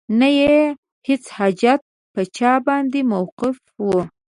نه یې هیڅ حاجت په چا باندې موقوف دی